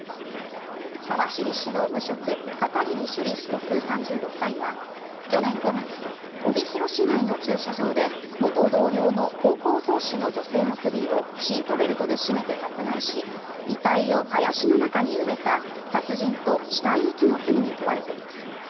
網走市の無職・片桐朱璃被告３６歳は去年５月、帯広市内の駐車場で元同僚の高校教師の女性の首をシートベルトで絞めて殺害し遺体を林の中に埋めた殺人と死体遺棄の罪に問われています。